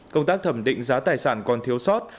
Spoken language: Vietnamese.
công tác thẩm định giá tài sản còn thiếu sót